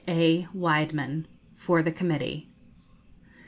A. Widemann,_ FOR THE COMMITTEE.